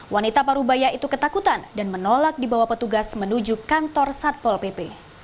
wanita parubaya itu ketakutan dan menolak dibawa petugas menuju kantor satpol pp